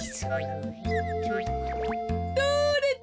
だれだ？